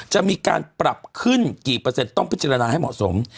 จะมีการปรับขึ้นกี่เปอร์เซ็นต์ต้องพิจารณาให้เหมาะสม